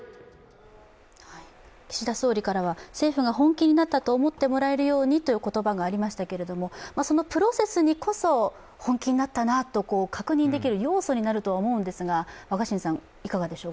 岸田総理からは政府が本気になったと思ってもらえるようにという言葉がありましたけれども、そのプロセスにこそ本気になったなと確認できる要素になるとは思うんですが、いかがでしょう。